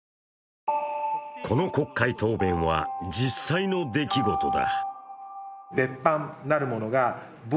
この国会答弁は実際の出来事だ。